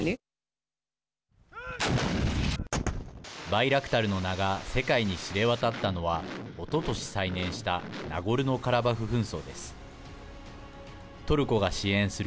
バイラクタルの名が世界に知れ渡ったのはおととし再燃したナゴルノカラバフ紛争です。